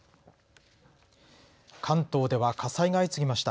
関東では火災が相次ぎました。